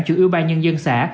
chủ ủy ban nhân dân xã